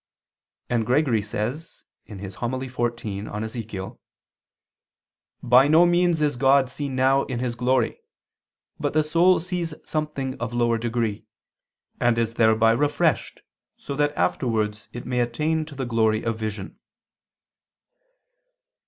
And Gregory says (Hom. xiv in Ezech.): "By no means is God seen now in His glory; but the soul sees something of lower degree, and is thereby refreshed so that afterwards it may attain to the glory of vision."